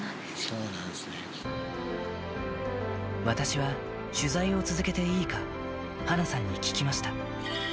私は、取材を続けていいか、華さんに聞きました。